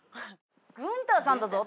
「グンターさんだぞ」